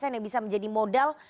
yang bisa menjadi modal